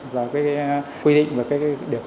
và quy định về điều cơ